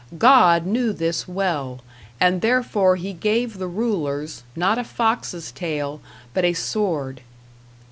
God knew this well, and therefore he gave the rulers, not a fox's tail, but a sword."